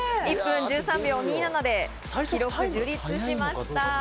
１分１３秒２７で記録を樹立しました。